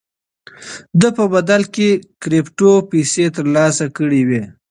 ده په بدل کې کرېپټو پيسې ترلاسه کړې وې.